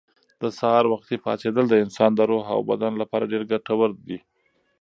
د سهار وختي پاڅېدل د انسان د روح او بدن لپاره ډېر ګټور دي.